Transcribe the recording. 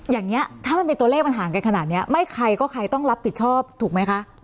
อย่างนี้ถ้ามันเป็นตัวเลขมันห่างกันขนาดนี้ไม่ใครก็ใครต้องรับผิดชอบถูกไหมคะ